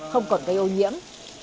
không còn gây ô nhiễm